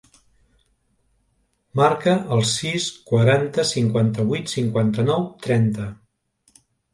Marca el sis, quaranta, cinquanta-vuit, cinquanta-nou, trenta.